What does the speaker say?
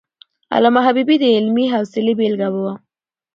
علامه حبيبي د علمي حوصلي بېلګه وو.